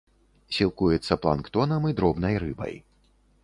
Сілкуецца планктонам і дробнай рыбай.